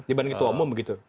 dibanding ketua umum begitu